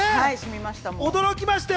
驚きましたよ